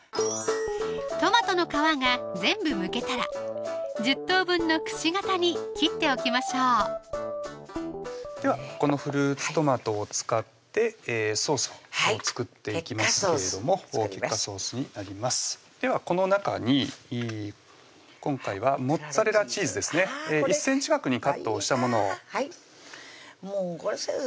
トマトの皮が全部むけたら１０等分のくし形に切っておきましょうではこのフルーツトマトを使ってソースを作っていきますけれどもケッカソースケッカソースになりますではこの中に今回はモッツァレラチーズですね１ｃｍ角にカットをしたものをもう先生